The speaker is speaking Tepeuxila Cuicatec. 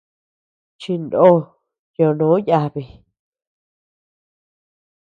Chindo ñonó yabi.